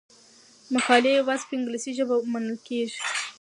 مقالې یوازې په انګلیسي ژبه منل کیږي.